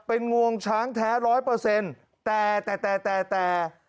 เป็นงวงช้างแท้ร้อยเปอร์เซ็นต์แต่แต่แต่แต่